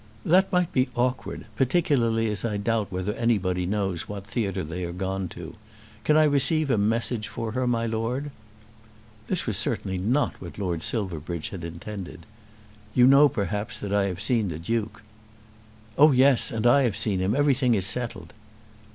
"That might be awkward, particularly as I doubt whether anybody knows what theatre they are gone to. Can I receive a message for her, my lord?" This was certainly not what Lord Silverbridge had intended. "You know, perhaps, that I have seen the Duke." "Oh yes; and I have seen him. Everything is settled."